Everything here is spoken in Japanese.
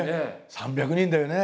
３００人だよね。